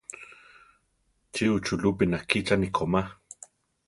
Chi uchulúpi nakíchani komá?